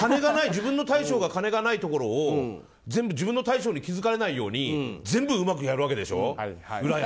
自分の大将が金がないところを自分の大将に気づかれないように全部うまくやるわけでしょう。